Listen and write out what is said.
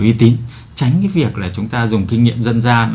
uy tín tránh cái việc là chúng ta dùng kinh nghiệm dân gian